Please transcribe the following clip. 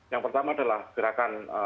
yang pertama adalah gerakan